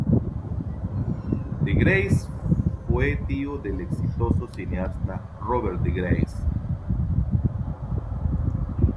De Grasse fue tío del exitoso cineasta Robert De Grasse.